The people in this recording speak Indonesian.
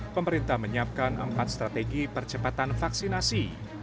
pemerintah menyiapkan empat strategi percepatan vaksinasi